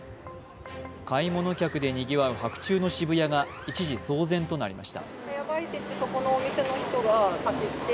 買い物客でにぎわう白昼の渋谷が一時騒然となりました。